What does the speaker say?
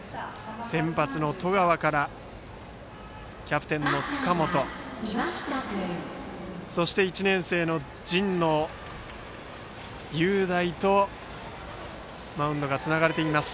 先発の十川からキャプテンの塚本そして、１年生の神農雄大とマウンドがつながれています